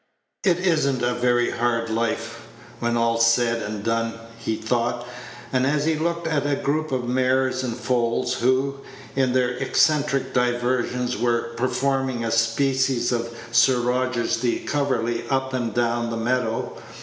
"It is n't a very hard life, when all's said and done," he thought, as he looked at a group of mares and foals, who, in their eccentric diversions, were performing a species of Sir Roger de Coverly up and down the meadow.